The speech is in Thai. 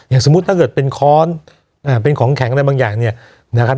สมมุติถ้าเกิดเป็นค้อนเป็นของแข็งอะไรบางอย่างเนี่ยนะครับ